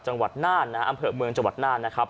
จังหวัดน่านนะฮะอำเภอเมืองจังหวัดน่านนะครับ